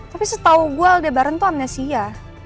tapi setau gue aldebaren tuh amnesia